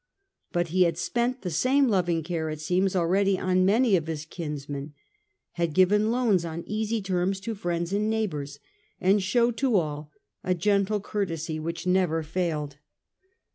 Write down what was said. But he had spent the same loving care, it seems, already on many of his kinsmen, had given loans on easy terms to friends and neighbours, and showed to all a gentle courtesy which never failed.